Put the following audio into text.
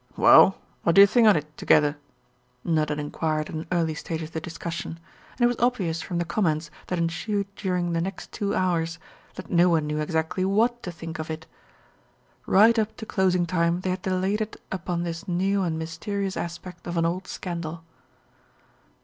"Well, what do you think on it, together?" Nudd had enquired at an early stage of the discussion, and it was obvious from the comments that ensued during the next two hours that no one knew exactly what to think of it. Right up to closing time they had dilated upon this new and mysterious aspect of an old scandal.